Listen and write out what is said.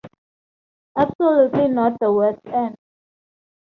Absolutely not the West End.